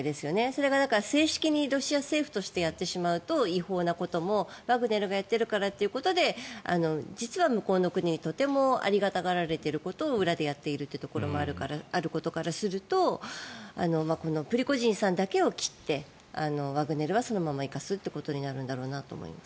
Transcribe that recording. それが正式にロシア政府としてやってしまうと違法なことも、ワグネルがやってるからということで実は向こうの国にとてもありがたられていることを裏でやっているところもあることからするとこのプリゴジンさんだけを切ってワグネルはそのまま生かすってことになるんだろうなと思います。